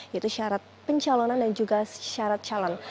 yaitu syarat pencalonan dan juga syarat calon